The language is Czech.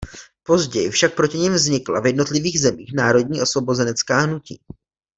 Později však proti nim vznikla v jednotlivých zemích národní osvobozenecká hnutí.